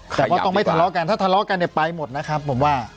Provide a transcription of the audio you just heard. แต่ก็ต้องไม่ทะเลาะกันถ้าทะเลาะกันเนี่ยไปหมดนะครับผมว่า